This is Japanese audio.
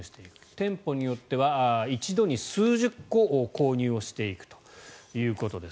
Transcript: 店舗によっては一度に数十個購入をしていくということです。